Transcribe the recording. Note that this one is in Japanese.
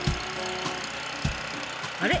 あれ？